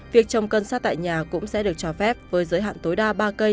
việc trồng cân xa tại nhà cũng sẽ được cho phép với giới hạn tối đa ba cây